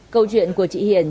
câu chuyện của chị hiền